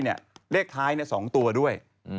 เลขท้าย๒ตัวด้วย